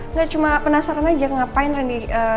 enggak cuma penasaran aja ngapain rendy